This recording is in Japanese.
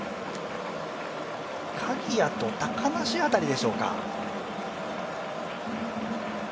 鍵谷と高梨辺りでしょうか。